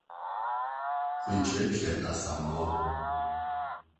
Mɛkyerɛkyerɛ Asamoah.